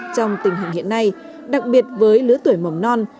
trong tình hình hiện nay đặc biệt với lứa tuổi mầm non